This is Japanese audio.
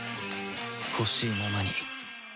ほしいままに